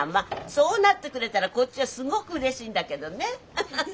そうなってくれたらこっちはすんごくうれしいんだけどねハハハ。